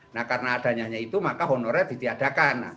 nah karena adanya itu maka honorer ditiadakan